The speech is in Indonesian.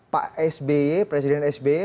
pak sby presiden sby